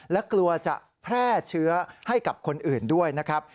และกลัวจะแพร่เชื้อให้กับคนอื่นด้วยนะครับ